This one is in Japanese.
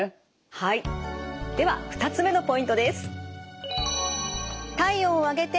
はいでは２つ目のポイントです。